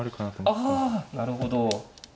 あなるほど。